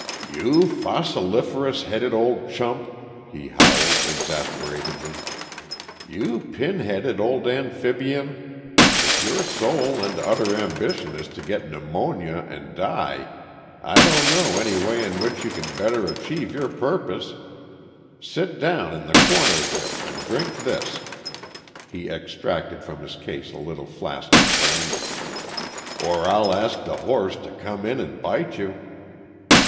"You fossiliferous headed old chump," he howled, exasperatedly. "You pin headed old amphibian. If your sole and utter ambition is to get pneumonia and die, I don't know any way in which you can better achieve your purpose. Sit down in the corner there and drink this," he extracted from his case a little flask of brandy, "or I'll ask the horse to come in and bite you!"